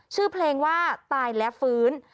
ชื่อเพลงว่าตายและฟื้น